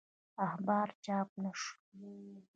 اخبار چاپ نه شو.